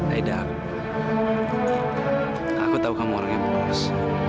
aida aku tau kamu orang yang boros